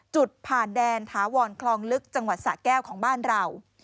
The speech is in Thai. จุดผ่านแดนถาวรคลองลึกจังหวัดสะแก้วของบ้านเรา